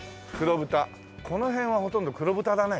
この辺はほとんど黒豚だね。